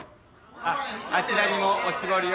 あっあちらにもお絞りを。